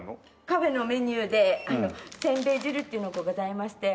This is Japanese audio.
カフェのメニューでせんべい汁っていうのがございまして。